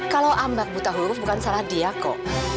kalau ambak buta huruf bukan salah dia kok